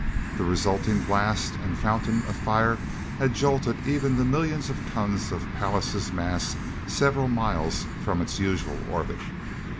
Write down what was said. The resulting blast and fountain of fire had jolted even the millions of tons of Pallas' mass several miles from its usual orbit.